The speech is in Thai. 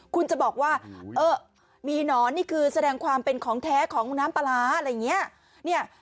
คุณจะบอกว่าเออมีหนอนนี่คือแสดงความเป็นของแท้ของน้ำปลาร้าอะไรอย่างนี้